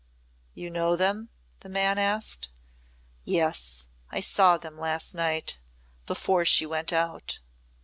"You know them?" the man asked. "Yes. I saw them last night before she went out."